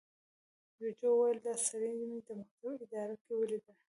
جوجو وويل، دا سړي مې د مکتب اداره کې ولید.